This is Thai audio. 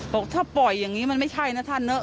บอกถ้าปล่อยอย่างนี้มันไม่ใช่นะท่านเนอะ